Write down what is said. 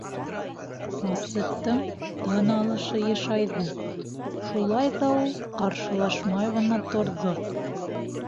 Асеттың тын алышы йышайҙы, шулай ҙа ул ҡаршылашмай ғына торҙо.